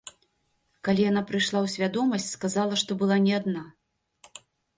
Калі яна прыйшла ў свядомасць, сказала, што была не адна.